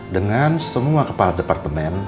dengan semua kepala departemen